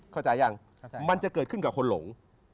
เข้าใจยังมันจะเกิดขึ้นกับคนหลง